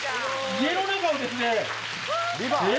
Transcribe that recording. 家の中をですねえ？